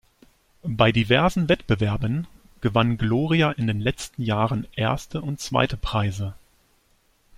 Bei diversen Wettbewerben gewann Gloria in den letzten Jahren erste und zweite Preise.